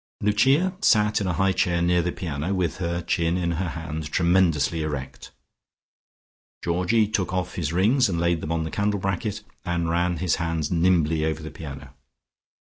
Lucia sat in a high chair near the piano, with her chin in her hand, tremendously erect. Georgie took off his rings and laid them on the candle bracket, and ran his hands nimbly over the piano.